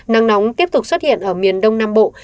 nắng nóng tiếp tục xuất hiện ở miền đông nam bộ